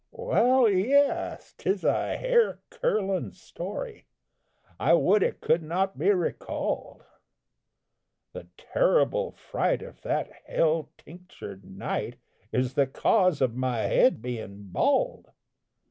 "_) Well, yes, 'tis a hair curlin' story I would it could not be recalled. The terrible fright of that hell tinctured night Is the cause of my head bein' bald.